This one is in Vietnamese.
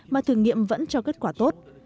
mà thử nghiệm vẫn cho kết quả tốt